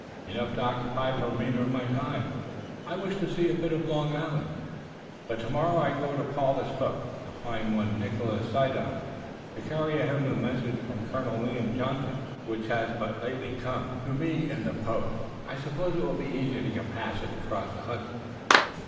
"Enough to occupy the remainder of my time. I wish to see a bit of Long Island, but tomorrow I go to Paulus Hook to find one Nicholas Suydam and to carry him a message from Colonel William Johnson, which has but lately come to me in the post. I suppose it will be easy to get passage across the Hudson."